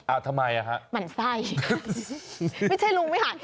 ทำไมอ่ะฮะหมั่นไส้ไม่ใช่ลุงไม่หัน